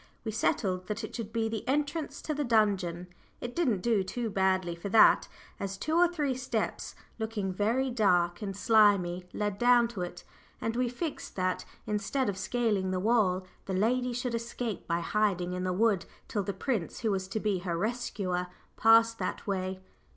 We settled that it should be the entrance to the dungeon; it didn't do badly for that, as two or three steps, looking very black and slimy, led down to it. And we fixed that, instead of "scaling the wall," the lady should escape by hiding in the wood till the prince who was to be her rescuer passed that way.